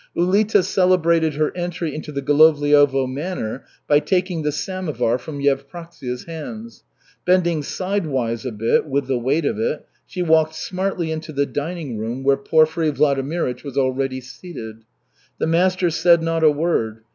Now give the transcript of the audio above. Ulita celebrated her entry into the Golovliovo manor by taking the samovar from Yevpraksia's hands. Bending sidewise a bit, with the weight of it, she walked smartly into the dining room, where Porfiry Vladimirych was already seated. The master said not a word.